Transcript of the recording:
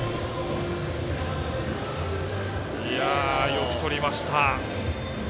よくとりました。